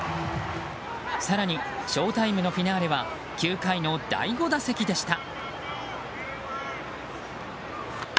更にショウタイムのフィナーレは９回の第５打席でした。